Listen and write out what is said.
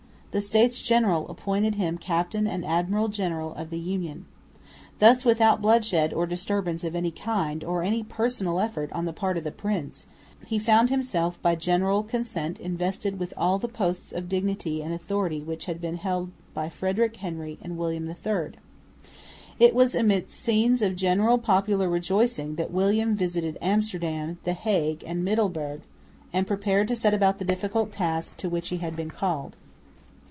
The States General appointed him captain and admiral general of the Union. Thus without bloodshed or disturbance of any kind or any personal effort on the part of the prince, he found himself by general consent invested with all the posts of dignity and authority which had been held by Frederick Henry and William III. It was amidst scenes of general popular rejoicing that William visited Amsterdam, the Hague and Middelburg, and prepared to set about the difficult task to which he had been called.